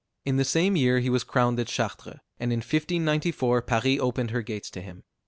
In the same year he was crowned at Chartres, and in 1594 Paris opened her gates to him.